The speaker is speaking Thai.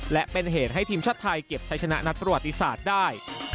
และเป็นเหตุให้ทีมชาติไทยเก็บใช้ชนะนัดประวัติศาสตร์ได้